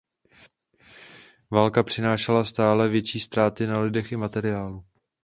Válka přinášela stále větší ztráty na lidech i materiálu.